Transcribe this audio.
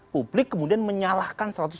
publik kemudian menyalahkan